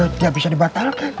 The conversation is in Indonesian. tidak bisa dibatalkan